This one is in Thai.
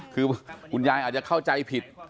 คือคุณยายอาจจะเข้าใจผิด